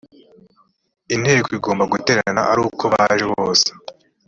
inteko igomba guterana ari uko baje bose